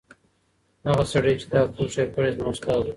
هغه سړی چې دا پوسټ یې کړی زما استاد دی.